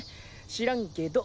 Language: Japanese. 知らんけど。